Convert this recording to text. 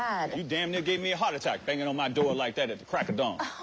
あ